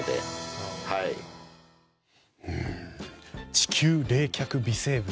地球冷却微生物。